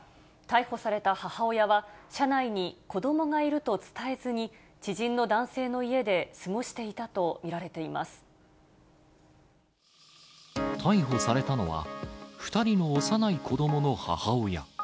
逮捕された母親は、車内に子どもがいると伝えずに、知人の男性の家で過ごしていたと逮捕されたのは、２人の幼い子どもの母親。